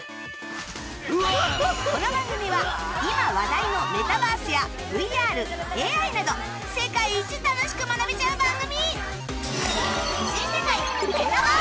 この番組は今話題のメタバースや ＶＲＡＩ など世界一楽しく学べちゃう番組